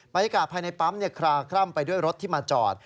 บรรยากาศภายในปั๊มคลาคล่ำไปด้วยรถที่มาจอด